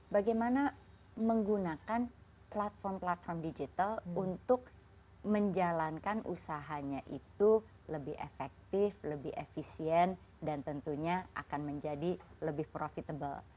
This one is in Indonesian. bagaimana menggunakan platform platform digital untuk menjalankan usahanya itu lebih efektif lebih efisien dan tentunya akan menjadi lebih profitable